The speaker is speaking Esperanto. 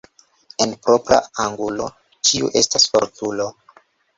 En propra angulo ĉiu estas fortulo.